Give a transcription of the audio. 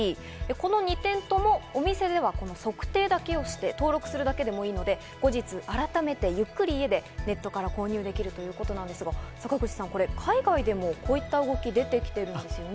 この２店ともお店では測定だけをして登録するだけでもいいので、後日改めてゆっくり家でネットから購入できるということなんですが、坂口さん、海外でもこういう動きが出てきているんですね。